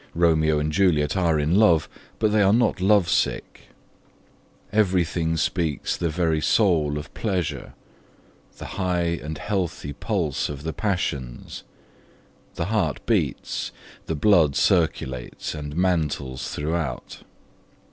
Romeo and Juliet are in love, but they are not love sick. Everything speaks the very soul of pleasure, the high and healthy pulse of the passions: the heart beats, the blood circulates and mantles throughout.